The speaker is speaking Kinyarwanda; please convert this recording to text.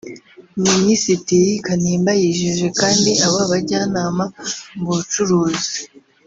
Minisitiri Kanimba yijeje kandi aba bajyanama mu bucuruzi